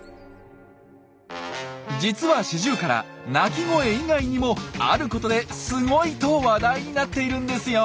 実はシジュウカラ鳴き声以外にもあることで「スゴイ！」と話題になっているんですよ。